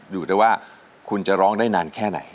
อยู่แต่ว่าคุณจะร้องได้นานแค่ไหน